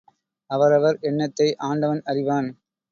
அவர் அவர் எண்ணத்தை ஆண்டவன் அறிவான்.